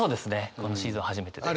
このシーズン初めてです。